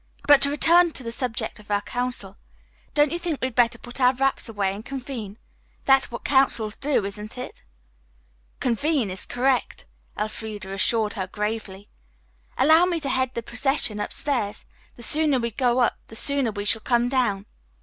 But to return to the subject of our council. Don't you think we had better put our wraps away and convene? That's what councils do, isn't it?" "Convene is correct," Elfreda assured her gravely. "Allow me to head the procession upstairs. The sooner we go up the sooner we shall come down."